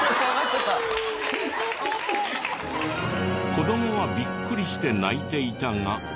子どもはビックリして泣いていたが。